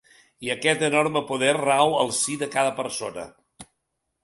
I aquest enorme poder rau al si de cada persona.